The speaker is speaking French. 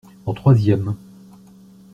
En troisième.